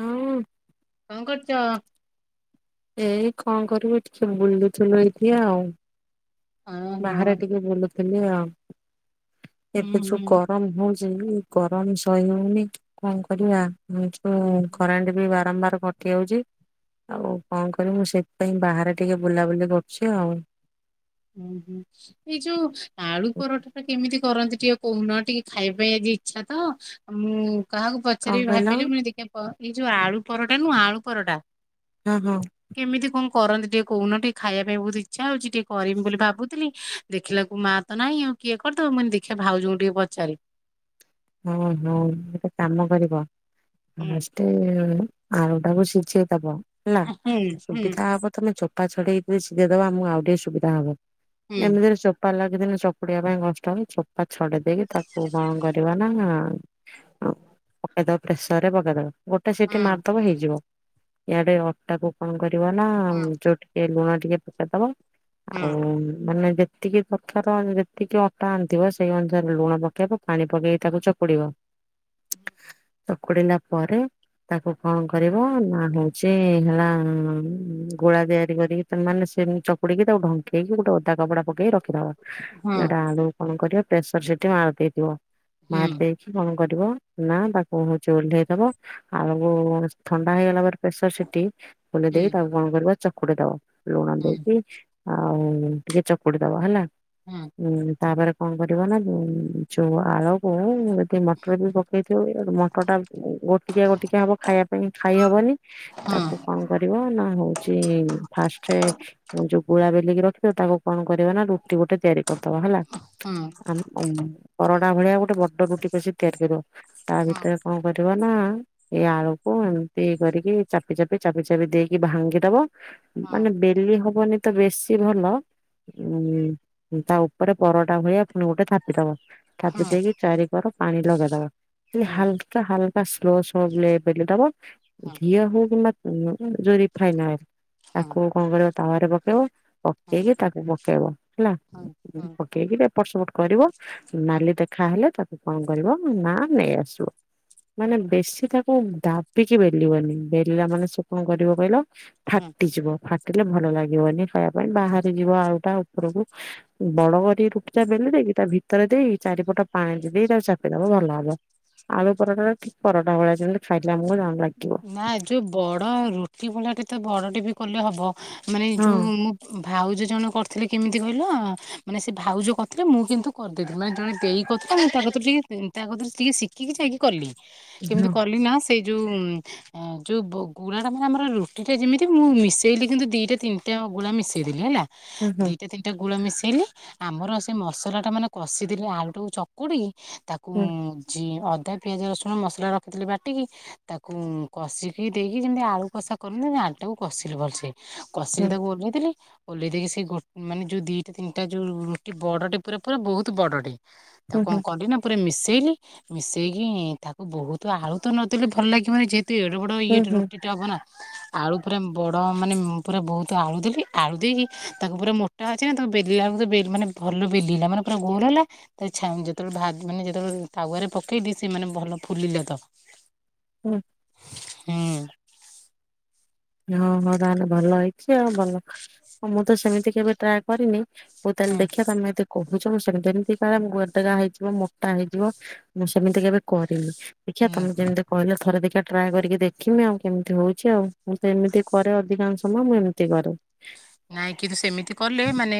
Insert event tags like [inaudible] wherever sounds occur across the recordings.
ହଁ କଣ କରୁଚ? ଏଇ କଣ କରିବୁ ଟିକେ ବୁଲୁଥୁଲୁ ଏଇଠି ଆଉ। ଓହୋ ବାହାରେ ଟିକେ ବୁଲୁଥିଲି ଆଉ ହୁଁ ଏବେ ହୁଁ ଛୁପ୍ ଗରମ ହଉଛି ଗରମ ସହି ହଉନି କଣ କରିବା। ହୁଁ ଏଯୋଉ କରେଣ୍ଟ ବି ବାରମ୍ବାର କଟି ଯାଉଛି ଆଉ କଣ କରିବି ମୁଁ ସେଥିପାଇଁ ବାହାରେ ଟିକେ ବୁଲାବୁଲି କରୁଛି ଆଉ। ହୁଁ ହୁଁ ଏଯୋଉ ଆଳୁ ପରଠାଟା କେମିତି କରନ୍ତି? ଟିକେ କୋଉନ ଟିକେ ଖାଇବା ପାଇଁ ଆଜି ଇଚ୍ଛା ତ, ମୁଁ କାହାକୁ କଣ ପଚାରିବି କହିଲ? ଭାଆରିଥିଲି ମୁଁ କହିଲି ଦେଖିଆ କଣ? ଏଇ ଯୋଉ ଆଳୁ ପରଟା ନୁହଁ ଆଳୁ ପରଟା। ଓହୋ। କେମିତି କଣ କରନ୍ତି ଟିକେ କୋଉନ ଟିକେ ଖାଇବା ପାଇଁ ବହୁତ ଇଚ୍ଛା ହଉଛି ଟିକେ। କରିମି ବୋଲି ଭାବୁଥିଲି ଦେଖିଲାକୁ ମା ତ ନାହିଁ ଆଉ କିଏ କରିଦବ। ମୁଁ କଇନି ଦେଖିଆ ଭାଉଜଙ୍କୁ ଟିକେ ପଚାରେ। ଓହୋ ଗୋଟେ କାମ କରିବ ହୁଁ ଫାଷ୍ଟ ଗୋଟାଏ ଆଳୁଟାକୁ ସିଝେଇଦବ ହେଲା। ହୁଁ ହୁଁ ସୁବିଧା ହବ ତମେ ଚୋପା ଛଡେଇକି ସିଝେଇ ଦବ ଆମକୁ ଆଉ ଟିକେ ସୁବିଧା ହବ। ହୁଁ ଏମିତିରେ ଚୋ ଚୋପା ଲାଗିଥିଲେ ଚକଟିବା ପାଇଁ କଷ୍ଟ ହବ ଚୋପା ଛଡେଇ ଦେଇକି ତାକୁ କଣ କରି [unintelligible] ପକେଇଦବ ପ୍ରେସରରେ ପକେଇଦବ ଗୋଟେ ସିଟି ହଁ ମାରିଦବ ହେଇଯିବ। ଇଆଡେ ଅଟାକୁ କଣ କରିବ ନା ହଁ ଯୋଉ ଟିକେ ଲୁଣ ଟିକେ ପକେଇଦବ। ହଁ ଆଉ ମାନେ ଯେ ଯେତିକି ଦରକାର ଯେତିକି ଅଟା ଆଣିଥିବ ସେଇ ଅନୁସାରେ ଲୁଣ ପକେଇବ, ପାଣି ପକେଇ ତାକୁ ଚକୁଡିବ। [unintelligible] ଚକୁଡିନା ପରେ ତାକୁ କଣ କରିବ ନା ହଉଛି ହେଲା ଗୁଳା ତିଆରି କରିକି ସେମାନେ ସେମିତି ଚକୋଡିକି ତାକୁ ଢଙ୍କେଇକି ଗୋଟେ ଓଦା କପଡ଼ା ପକେଇ ରଖିଦବ। ହଁ। ଆଡେ ଆଳୁକୁ କଣ କରିବ ପ୍ରେସର ସିଟି ମାରି ଦେଇଥିବ। ହୁଁ ମାରି ଦେଇକି କଣ କରିବ, ନା ତାକୁ ହଉଛି ଓହ୍ଲେଇଦବ। ଆଳକୁ ଥଣ୍ଡା ହେଇଗଲା ପରେ ପ୍ରେସର ସିଟି ହୁଁ ଓହ୍ଲେଦେଇ ତାକୁ କଣ କରିବ ଚକୋଡି ଦବ ଲୁଣ ହୁଁ ଦେଇକି। ଆଉ ଟିକେ ଚକୋଡି ଦବ ହେଲା। ହୁଁ। ହୁଁ ତାପରେ କଣ କରିବ ନା ଯୋଉ ଆଳକୁ ଟେ ମଟର ବି ପକେଇଥିବ ବି ମଟରଟା ଗୋଟିକିଆ ଗୋଟିକିଆ ହବ ଖାଇବା ପାଇଁ ଖାଇହବନି। ହୁଁ ତାକୁ କଣ କରିବ ନା ହଉଛି ଫାଷ୍ଟେ ମୁଁ ଯୋଉ ଗୁଳା ବେଲିକି ରଖିିଥିବ ତାକୁ କଣ କରିବ ନା ରୁଟି ଗୋଟେ ତିଆରି କରିଦବ ହେଲା। ହୁଁ। [unintelligible] ପରଟା ଭଳିଆ ଗୋଟେ ବଡ ରୁଟି ପେଶୀ ତିଆରି କରିବ। ତା ହଁ ଭିତରେ କଣ କରିବ ନା ଏଇ ଆଳୁକୁ ଏମିତି କରିକି ଚାପି ଚାପି- ଚାପି -ଚାପି ଦେଇକି ଭାଙ୍ଗିଦବ ହଁ। ମାନେ ବେ ଦେଇ ହବନି ତ ବେଶୀ ଭଲ। ଉୁଁ ତା ଉପରେ ପରଟା ଭଳିଆ ପୁଣି ଗୋଟେ ଥାପିଦବ। ନା ଚାପି ଦେଇକି ଚାରି କର ପାଣି ଲଗେଇଦବ। ଖାଲି ହାଲ କା ହାଲକା ସ୍ଲୋ ସ୍ଲୋ ବ୍ଲେ ବେଲିଦବ। ଘିଅ ହଉ କିମ୍ବା ଯୋଉ ରିଫାଇନ ହଉ ତାକୁ କଣ କରିବ ତାୱରେ ପକେଇବ। ପକେଇକି ତାକୁ ପକେଇବ ହେଲା, ପକେଇକି ଏପଟ ସେପଟ କରିବ ନାଲି ଦେ ଖାହେଲେ ତାକୁ କଣ କରିବ ନା ନେଇ ଆସିବ। ମାନେ ବେଶୀ ତାକୁ ଦାବିକି ବେଲିବନି ବେଲିଲା ମାନେ ସେ କଣ କରିବ କହିଲ ଫାଟିଯିବ ଫାଟିଲେ ଭଲ ଲାଗିବନି ଖାଇବା ପାଇଁ ବାହାରି ଯିବ ଆଉଟା ଉପରକୁ। ବଡ କରି ରୁଟିଟା ବେଲିଦେଇକି ତା ଭି ତର ଦେଇ ଚାରିପଟ ପାଣି ଦେଇ ତାକୁ ଚାପିଦବ ଭଲ ହବ। ଆଳୁ ପରଟା ଟା ଠିକ ପରଟା ଭଳିଆ ଯେମିତି ଖାଇଲେ ଆମକୁ ଜାଣ ଲାଗିବ। ନା ଯୋଉ ବଡ଼ ରୁଟି ଭଳାଟେ ତ ବଡ଼ଟେ ବି କଲେ ହବ। ମାନେ ହଁ ଯଉ ମୁଁ ଭାଉଜ ଜଣେ କରିଥିଲେ କେମିତି କହିଲ? ମାନେ ସେ ଭାଉଜ କରିଥିଲେ ମୁଁ କିନ୍ତୁ କରିଦେଇଥିଲି ମାନେ ଜଣେ ତା କତରେ ଟିକେ ତା କତରେ ଟିକେ ଶିଖିକି ଯାଇକି କଲି। କେମିତି ହଁ। କଲି ନା ସେଇ ଯୋଉ ଯୋଉ ଗୁଳା ଟା ମାନେ ଆମର ରୁଟି ଟା ଯେମିତି ମୁଁ ମିଶେଇଲି କିନ୍ତୁ ଦିଟା ତିନିଟା ଗୁଳା ମିଶେଇଦେଲି ହେଲା। ହୁଁ ହୁଁ ଦିଟା ତିନିଟା ଗୁଳା ମିଶେଇଲି। ଆମର ସେ ମସଲା ଟା ମାନେ କଷିଦଲି ଆଳୁ ଚକ କୁଟିକି ତାକୁ ହୁଁ ଅଦା ପିଆଜ ରସୁଣ ମସଲା ରଖିଥିଲି ବାଟିକି। ତାକୁ କଷିକି ଦେଇକି ଯେମିତି ଆଳୁ କଷା କରୁନି ଆଣିଟାକୁ କଷିଲି ଭଲସେ। କସିକି ତାକୁ ଓହ୍ଲେଇଦେଲି। ଓହ୍ଲେଇ ଦେଇକି ସେ ଗୋ ମାନେ ଯୋଉ ଦିଟା ତିନିଟା ଯୋଉ ରୁଟି ବଡ଼ଟେ ପୁରା ପୁରା ବହୁତ ବଡ଼ଟେ। ହୁଁ ତାକୁ ହୁଁ ହୁଁ କଣ କଲି ନା ପୁରା ମିଶେଇଲି, ମିଶେଇକି ତାକୁ ବହୁତ ଆଳୁତ ନଦଲେ ଭଲ ଲାଗିବାନ ଯେହେତୁ ଏଡ଼େ ବଡ଼ ଇଏଟ୍ ହୁଁ ରୁଟି ଟା ହବ ନା। ଆଳୁ ପୁରା ବଡ଼ ମାନେ ମୁଁ ପୁରା ବହୁତ ଆଳୁ ଦେଲି। ଆଳୁ ଦେଇକି ତାକୁ ପୁରା ମୋ ା ଅଛି ନା ତ ବେଲିଲାକୁେ ମାନେ ଭଲ ବେଲିଲ ମାନେ ପୁର ଗୋର ହେଲା ଛ ଯେତେବେଳେ ଭାତ ମାନେ ଯେତେବେଳେ ତାୱାରେ ପକେଇଦି ସେ ମାନେ ଭଲ ଫୁଲିଲା ତ। ହୁଁ। ହୁଁ। ହଁ ହଁ ତାହେଲେ ଭଲ ହେଇଛି ଆଉ ଭଲ। ମୁଁ ତ ସେମିତି କେବେ ଟ୍ରାଏ କରିନି। ହଉ ତାହେଲେ ଦେଖିବା ତମେ ଦି କହୁଛ ମୁଁ ସେମିତି ଯେମିତି କ ଗୋଧଗା ହେଇଯିବ ମୋଟା ହେଇଯିବ ମୁଁ ସେମିତି କେବେ କରିନି। ଦେଖିବା ତମେ ହୁଁ ଯେମିତି କହିଲ ଥରେ ଦେଖିବା ଟ୍ରାଏ କରିକି ଦେଖମି ଆଉ କେମିତି ହଉଛି ଆଉ। ମୁଁ ତ ଏମିତି କରେ ଅଧିକାଂଶ ସମୟ ମୁଁ ଏମିତି କରେ। ନାଇଁ କିନ୍ତୁ ସେମିତି କଲେ ମାନେ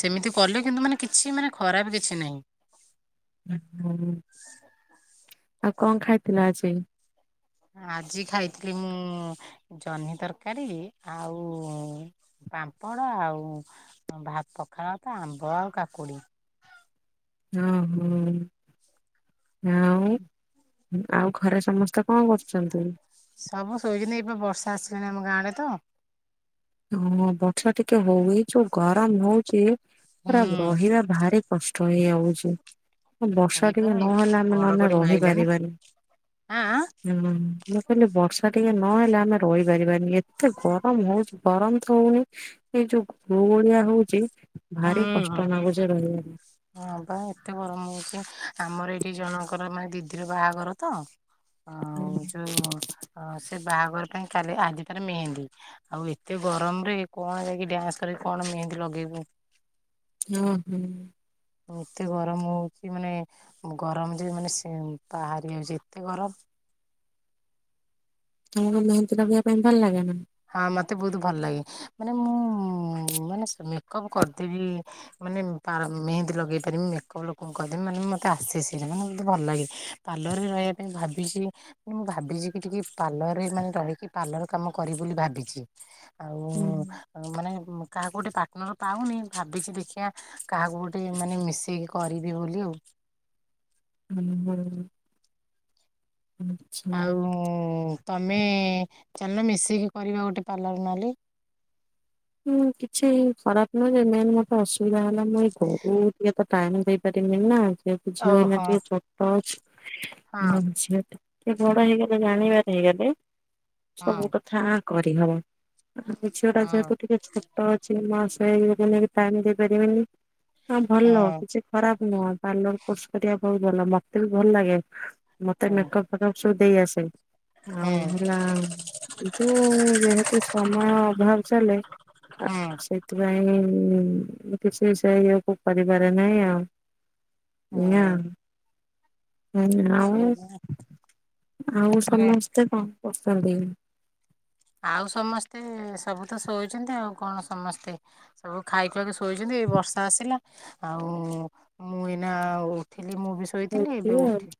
ସେମିତି କଲେ କିନ୍ତୁ ମାନେ କିଛି ମାନେ ଖରାପ କିଛି ନାହିଁ। ହଁ ଆଉ କଣ ଖାଇଥିଲ ଆଜି? ଆଜି ଖାଇଥିଲି ମୁଁ ଜହ୍ନି ତରକାରୀ ଆଉ ପାମ୍ପଡ଼ ଆଉ ଭାତ ପଖାଳ ତ ଆମ୍ବ ଆଉ କାକୁଡି଼। ହଁ ହୋ। ଆଉ ଆଉ ଘରେ ସମସ୍ତ କଣ କରୁଛନ୍ତି? ସବୁ ଶୋଇଛନ୍ତି ଏବେ ବର୍ଷା ଆସିଲାଣି ଆମ ଗାଁ ଆଡ଼େ ତ। ହଁ ବର୍ଷା ଟିକେ ହଉ। ଏ ଯୋଉ ଗରମ ହଉଛି ପୁରା ହୁଁ ରହିବା ଭାରି କଷ୍ଟ ହେଇଯାଉଛି। ବର୍ଷା ଏଇପା ଟିକେ ନହେଲେ ଆମେ ନହେଲେ ଘଡଘଡି ମାଇଲାଣି ରହିପାରିବାନି। ଆଁ ଆଁ ହୁଁ। ମୁଁ କହିଲି ବର୍ଷା ଟିକେ ନହେଲେ ଆମେ ରହିପାରିବାନି। ଏତେ ଗରମ ହଉଛି। ଗରମ ତ ହଉନି, ଏଇ ଯୋଉ ଗୁଳୁଗୁଳିଆ ହଉଛି ଭାରି ହୁଁ କଷ୍ଟ ଲାଗୁଛି ରହିବାକୁ। ହଁ ବା ଏତେ ଗରମ ହଉଛି। ଆମର ଏଇଠି ଜଣଙ୍କର ମାନେ ଦିଦିର ବାହାଘର ତ ଆଉ ଯୋଉ ସେ ବାହାଘର ପାଇଁ କାଲି ଆଜି ତାର ମେହେନ୍ଦୀ। ଆଉ ଏତେ ଗରମରେ କଣ ଯାଇକି ଡ୍ୟାନ୍ସ କରିକି କଣ ମେହେନ୍ଦି ଲଗେଇବୁ। ହଁ ହୁଁ। ଏତେ ଗରମ ହଉଛି ମାନେ ଗରମ ଯେ ମାନେ ବାହାରି ଯାଉଛି ଏତେ ଗରମ। ତମକୁ ମେହେନ୍ଦି ଲଗେଇବା ପାଇଁ ଭଲ ଲାଗେ ନା? ହଁ ମତେ ବହୁତ ଭଲ ଲାଗେ। ମାନେ ମୁଁ ମାନେ ସେ ମେକଅପ୍ କରିଦେବି ମାନେ ପା ମେହେନ୍ଦି ଲଗେଇ ପାରିବି, ମେକପ୍ ଲୋକଙ୍କୁ କରିଦେବି, ମାନେ ମତେ ଆସେ ସେଇଟା ମାନେ ମତେ ଭଲ ଲାଗେ। ପାର୍ଲରରେ ରହିବା ପାଇଁ ଭାବିଛି। ମୁଁ ଭାବିଛି କି ଟିକେ ପାର୍ଲରରେ ମାନେ ରହିକି ପାର୍ଲର କାମ କରି ବୋଲି ଭାବିଛି। ଆଉ ହୁଁ, ମାନେ କାହାକୁ ଗୋଟେ ପାର୍ଟନର ପାଉନି, ଭାବିଚି ଦେଖିଆ କାହାକୁ ଗୋଟେ ମାନେ ମିଶେଇକି କରିବି ବୋଲି ଆଉ। ହୁଁ ହୁଁ। ଆଚ୍ଛା ଆଉ ତମେ ଚାଲୁନ ମିଶିକି କରିବା ଗୋଟେ ପାର୍ଲର ନଲେ। ହୁଁ କିଛି ଖରାପ ନୁହଁ ଯେ, ମେନ୍ ମୋର ତ ଅସୁବିଧା ହେଲା ମୁଁ ଏଇ ଘରୁ ଟିକେ ତ ଟାଇମ୍ ଦେଇପାରନିମି ନା। ଯେହେତୁ ଝିଅ ଏଇନା ଓହୋ ଟିକେ ଛୋଟ ଅଛି, ହଁ ମୋ ଝିଅ ଟି କେ ବଡ ହେଇଗଲେ ଜାଣିବାର ହେଇଗଲେ, ହଁ ସବୁ କଥା କରିହବ। ଏ ଝିଅଟା ଯେହେତୁ ହଁ ଟିକେ ଛୋଟ ଅଛି, ମୁଁ ଆଉ ସେ ଇଏକୁ ନେଇକି ଟାଇମ ଦେଇପାରିବିନି। ହଁ ଭଲ କିଛି ଖରାପ ନୁହଁ। ପାର୍ଲର କୋର୍ସ କରିବା ବହୁତ ଭଲ। ମତେ ବି ଭଲଲାଗେ ମତେ ହୁଁ ମେକପ୍ ଫେକପ୍ ସବୁ ଦେଇଆସେ। ହୁଁ ଆଉ ହେଲା କିନ୍ତୁ ଯେହେତୁ ସମୟ ଅଭାବ ଚାଲେ ଆ ହୁଁ। ସେଥିପାଇଁ ମୁଁ କିଛି ସେ ଇଏକୁ କରିପାରେ ନାହିଁ ଆଉ। ଏୟା ଆଉ। ହୁଁ ହୁଁ ଆଉ, ସେଇ ଆଉ ମାନେ ସମସ୍ତେ କଣ କରୁଚନ୍ତି? ଆଉ ସମସ୍ତେ, ସବୁ ତ ଶୋଇଛନ୍ତି ଆଉ କଣ ସମସ୍ତେ। ସବୁ ଖାଇଖୁଆକି ଶୋଇଛନ୍ତି, ଏଇ ବର୍ଷା ଆସିଲା ଆଉ ମୁଁ ଏଇନା ଉଠିଲି, ମୁଁ ବି ଶୋଇଥିଲି, ଏବେ ଶୋଇଥିବେ ଆଉ। ଉଠି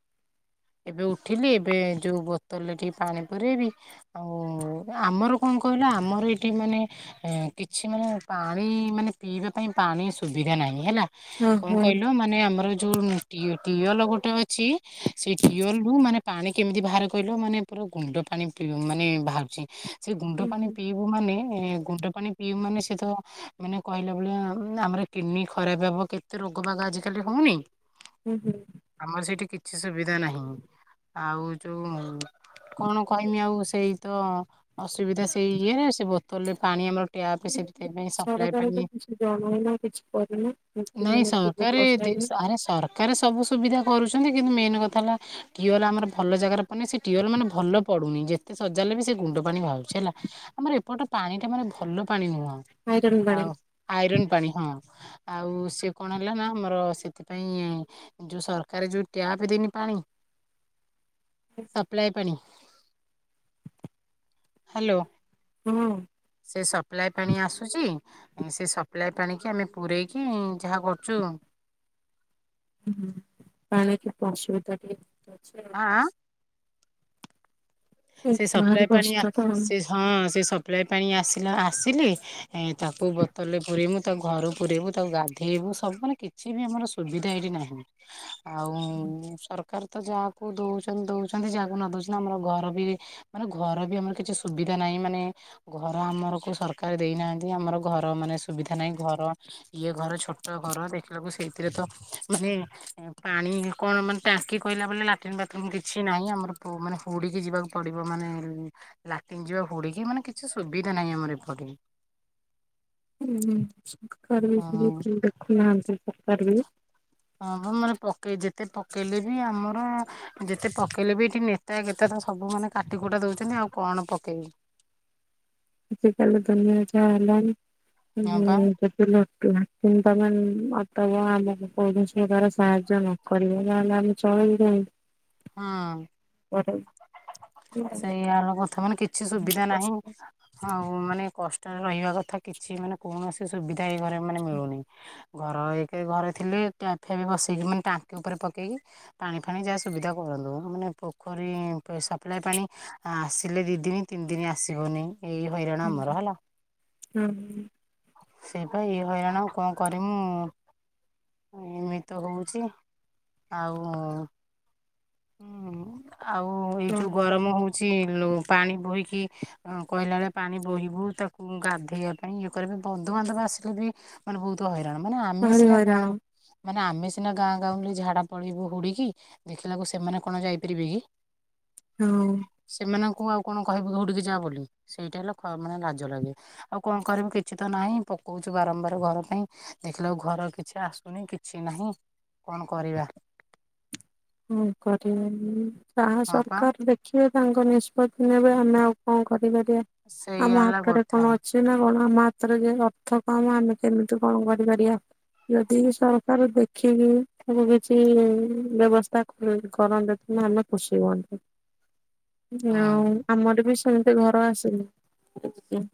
ଏବେ ଉଠିଲି ଏବେ ଯୋଉ ବୋତଲରେ ଟିକେ ପାଣି ପୁରେଇବି ଆଉ ଏ ଆମର କଣ କହିଲ, ଆମର ଏଠି ମାନେ ଏ କିଛି ମାନେ ପାଣି ମାନେ ପିଇବା ପାଇଁ ପାଣି ସୁବିଧା ନାହିଁ ହେଲା। ହଁ କଣ ହଁ। କହିଲ ମାନେ ଆମର ଯୋଉ ଟିଅ ଟିଅଲ ଗୋଟେ ଅଛି, ସେଇ ଟିଅଲରୁ ମାନେ ପାଣି କେମିତି ବାହାରେ କହିଲ ମାନେ ପୁରା ଗୁଣ୍ଡ ପାଣି ପି ମାନେ ବାହାରୁଛି। ସେଇ ଗୁଣ୍ଡ ହୁଁ ପାଣି ହୁଁ ପି ବୁ ମାନେ ଗୁଣ୍ଡ ପାଣି ପିଇବୁ ମାନେ ସେତ ମାନେ କହିଲା ଭଳିଆ ଆମର କିଡନୀ ଖରାପ ହବ କେ ତେ ରୋଗ ବାଗ ଆଜିକାଲି ହଉନି ହୁଁ ହୁଁ। ଆମର ସେଇଠି କିଛି ସୁବିଧା ନାହିଁ। ଆଉ ଯୋଉ କଣ କହିମି ଆଉ ସେଇ ତ ଅସୁବିଧା ସେଇ ଇଏରେ ସେ ବୋତଲରେ ପାଣି ଆମର ଟ୍ୟାପ ସେଥିପାଇଁ ପାଇଁ ସପ୍ଲାଏ ସରକାର ବି ପାଣି, କିଛି ଜଣଉନା କିଛି କରୁନି ନାଇଁ ମିସ୍ତ୍ରୀମାନେ ସ ଟ୍ୟୁବଲ୍ କାରୀ ବସେଇବା ଦି ପାଇଁ ଆରେ ସରକାର ସବୁ ସୁବିଧା କରୁଛନ୍ତି କିନ୍ତୁ ମେନ୍ କଥା ହେଲା ଟିଅଲ ଆମର ଭଲ ଜାଗାରେ ପଡ଼ୁନି, ସେ ଟିଅଲ ମାନେ ଭଲ ପଡୁନି। ଯେତେ ସଜାଡିଲେ ବି ସେ ଗୁଣ୍ଡ ପାଣି ବାହାରୁଛି ହେଲା। ଆମର ଏପଟ ପାଣିଟା ମାନେ ଭଲ ପାଣି ନୁହଁ, ଆଇରନ୍ ପାଣି ଆଉ ଆଇରନ୍ ପାଣି ହଁ। ଆଉ ସିଏ କଣ ହେଲା ନା, ଆମର ସେଥିପାଇଁ ଯୋଉ ସରକାର ଯୋଉ ଟ୍ୟାପ ଦେଇନି ପାଣି, ସପ୍ଲାଏ ପାଣି ହାଲୋ। ହୁଁ। ସେ ସପ୍ଲାଏ ପାଣି ଆସୁଚି ସେ ସପ୍ଲାଏ ପାଣି କି ଆମେ ପୁରେଇକି ଯାହା କରୁଚୁ ଉଁ ହୁଁ ପାଣି କେତେ ଅସୁବିଧା ଟିକେ ଅଛି ଆଉ ଆ ଆଁ। ଆଉ ସେ ଭାରି ସପ୍ଲାଏ ପାଣି କଷ୍ଟ ତ ଆସ ଆଉ। ସେ ହଁ ସେ ସପ୍ଲାଏ ପାଣି ଆସିଲା ଆସିଲି ଏଁ ତାକୁ ବୋତଲରେ ପୁରେଇମୁ ତାକୁ ଘରୁ ପୁରେଇମୁ ତାକୁ ଗା ଧେଇବୁ ସବୁ ମାନେ କିଛି ବି ଆମର ସୁବିଧା ଏଇଠି ନାହିଁ। ଆଉ ସରକାର ତ ଯାହାକୁ ଦଉଚନ୍ତି ଦଉଚନ୍ତି ଯାହାକୁ ନ ଦଉଚନ୍ତି ଆମର ଘର ବି ମାନେ ଘର ବି ଆମର କିଛି ସୁବିଧା ନାହିଁ ମାନେ ଘର ଆମରକୁ ସରକାର ଦେଇନାହାନ୍ତି ଆମର ଘର ମାନେ ସୁବିଧା ନାହିଁ ଘର ଇଏ ଘର ଛୋଟ ଘର ଦେଖିଲାକୁ ସେଇଥିରେ ତ ମାନେ ପାଣି କଣ ମାନେ ଟାଙ୍କି କହିଲା ବୋଲେ ଲାଟ୍ରିନ୍ ବାଥରୁମ୍ କିଛି ନାହିଁ ଆମର ଓ ମାନେ ହୁଡିକି ଯିବାକୁ ପଡିବ ମାନେ ଲାଟିନ ଯିବା ହୁଡିକି ମାନେ କିଛି ସୁବିଧା ନାହିଁ ଆମର ଏପଟେ। ହୁଁ ସରକାର ବି ହଁ। [unintelligible] ଦେଖୁନାହାନ୍ତି ସରକାର ବି ହଁ ଆମର ପକେଇ ଯେତେ ପକେଇଲେ ବି ଆମର ଯେତେ ପକେଇଲେ ବି ଏଠି ନେତା କେତେଟା ସବୁ ମାନେ କାଟି କୁଟା ଦଉଛନ୍ତି ଆଉ କଣ ପକେଇବୁ। ଆଜିିକାଲି ଦୁନିଆ ଯାହା ହେଲାଣିି ହଁ ପା। ଉଁ କୁଲର ଟୁଣା [unintelligible] ତମ ଆମକୁ କୋୖଣସି ପ୍ରକାର ସାହାଯ୍ୟ ନୁହଁ। କରିବେ ନହେଲେ ଆମେ ଚଳିବୁ କେମିତି ହଁ ଘରେ ସେଇଆ ହେଲା କଥା ମାନେ କିଛି ସୁବିଧା ନାହିଁ। କଷ୍ଟ। ହଉ ମାନେ କଷ୍ଟରେ ରହିବା କଥା କିଛି ମାନେ କୌଣସି ସୁବିଧା ଏଇ ଘରେ ମାନେ ମିଳୁନି। ଘର ଏକେ ଘରେ ଥିଲେ ଟ୍ୟାଫିଆ ବିି ବସେଇକି ମାନେ ଟାଙ୍କି ଉପରେ ପକେଇକି ପାଣି ଫାଣି ଯା ସୁବିଧା କରନ୍ତୁ ମାନେ ପୋଖରୀ ସପ୍ଲାଏ ପାଣି ଆସିଲେ ଦି ଦିନ ତିନି ଦିନ ଆସିବନି। ଏଇ ହଇରାଣ ଆମର ହେଲା। ହୁଁ ସେଇପା ଏଇ ହଇରାଣ କଣ କରି ମୁଁ ଏମିତି ତ ହଉଚି ଆଉ ହୁଁ ଆଉ ଏଇ ଯୋଉ ଗରମ ହଉଚି ଲୋ ପାଣି ବୋହିକି ହଁ କହିଲା ବେଳେ ପାଣି ବୋହିବୁ ତାକୁ ଗାଧେଇବା ପାଇଁ ଇଏ କରିବି ବନ୍ଧୁବାନ୍ଧବ ଆସିଲେ ବି ମାନେ ବୋହୁତ ହଇରାଣ ମାନେ ଆମେ ଭାରି ସିନା ହଇରାଣ ଗାଁ ମାନେ ଆମେ ସିନା ଗାଁ ଗାଁଉଲି ଝାଡା ପଳେଇବୁ ହୁଡିକି ଦେଖିଲାକୁ ସେ ସେମାନେ କଣ ଯାଇପାରିବେ କି? ନା ହଉ। ସେମାନଙ୍କୁ ଆଉ କଣ କହିବୁ ହୁଡିକି ଯା ବୋଲି ସେଇଟା ହେଲା ଖ ମାନେ ଲାଜ ଲାଗେ। ଆଉ କଣ କରିବୁ କିଛି ତ ନାହିଁ ପକଉଚୁ ବାରମ୍ବାର ଘର ପାଇଁ ଦେଖିଲାକୁ ଘର କିଛି ଆସୁନି କିଛି ନାହିଁ କଣ କରିବା? ମୁଁ କରିବିନି ତାହା ହଁ ପା ସରକାର ଦେଖ ଦେଖିବେ ତାଙ୍କ ନିଷ୍ପତ୍ତି ନେବେ ଆମେ ଆଉ କଣ କରିପାରିବା ସେଇଆ ଆମ ହେଲା ହାତରେ କଥା କଣ ଅଛି? ନା କଣ ଆମ ହାତରେ ଯେ ଅର୍ଥ କମ୍ ଆମେ କେମିତି କଣ କରିପାରିବା। ଯଦି ବି ସରକାର ଦେଖିବି ତାକୁ କିଛି ବ୍ୟବସ୍ ତାକୁ କଣ କରନ୍ତେ କି ଆମେ ଖୁସି ହୁଅନ୍ତୁ ହଁ ଆଉ ଆମର ବି ସେମିତି ଘର ଆସିନି।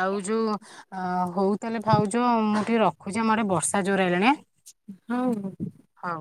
ଆଉ ଯୋଉ ଆଁ ହଉ ତାହେଲେ ଭାଉଜ ଯୋଉ ମୁଁ ଟିକେ ରଖୁଚି ଆମ ଆଡେ ବର୍ଷା ଜୋର ଆଇଲାଣି। ହଉ। ହଉ।